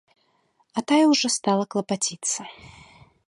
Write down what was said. А тая ўжо стала клапаціцца.